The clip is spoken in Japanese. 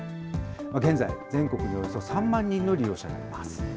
現在、全国におよそ３万人の利用者がいます。